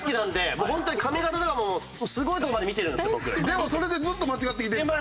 でもそれでずっと間違ってきてんちゃう？